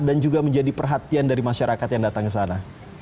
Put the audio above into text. dan juga menjadi perhatian dari masyarakat yang datang ke sana